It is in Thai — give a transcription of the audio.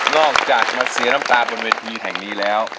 อกจากมาเสียน้ำตาบนเวทีแห่งนี้แล้ว